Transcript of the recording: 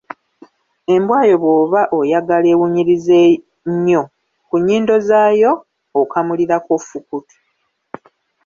Embwa yo bw’oba oyagala ewunyirize nnyo, ku nnyindo zaayo okamulirako Fukutu.